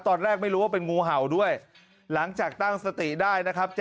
ตอนแรกไม่รู้ว่าเป็นงูเห่าด้วยหลังจากตั้งสติได้นะครับ